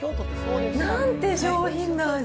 なんて上品な味。